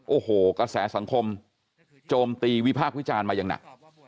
โอ้โหกระแสสังคมโจมตีวิพากษ์วิจารณ์มาอย่างหนัก